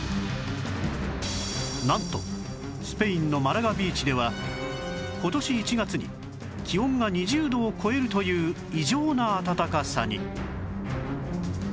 なんとスペインのマラガビーチでは今年１月に気温が２０度を超えるという異常な暖かさに